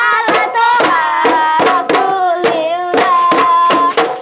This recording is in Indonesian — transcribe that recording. allah ta'ala rasulillah